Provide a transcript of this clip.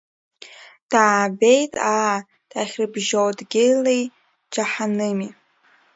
Даабеит, аа дахьрыбжьоу, Дгьыли Џьаҳаными.